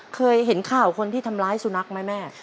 ข่าวคนที่ทำร้ายสุนัขไหมแม่